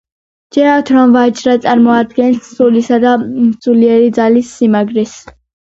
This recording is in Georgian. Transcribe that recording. ჯერათ, რომ ვაჯრა წარმოადგენს სულისა და სულიერი ძალის სიმაგრეს.